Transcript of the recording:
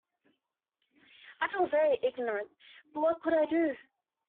I felt very ignorant, but what could I do?